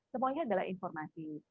semuanya adalah informasi